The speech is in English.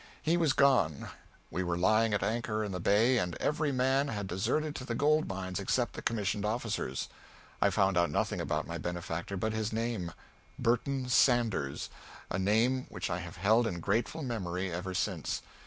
He was gone. We were lying at anchor in the Bay and every man had deserted to the gold mines except the commissioned officers. I found out nothing about my benefactor but his name Burton Sanders a name which I have held in grateful memory ever since.